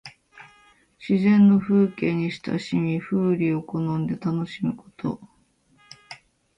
自然の風景に親しみ、風流を好んで楽しむこと。